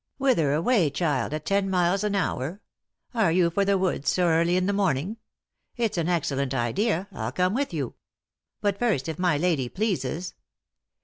" Whither away, child, at ten miles an hour ? Are you for the woods, so early in the morning ? It's an excellent idea, I'll come with you. But, first, if my lady pleases."